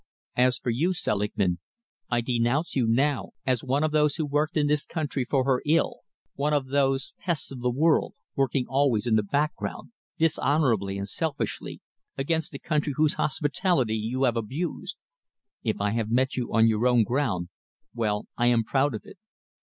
As for you, Selingman, I denounce you now as one of those who worked in this country for her ill, one of those pests of the world, working always in the background, dishonourably and selfishly, against the country whose hospitality you have abused. If I have met you on your own ground, well, I am proud of it.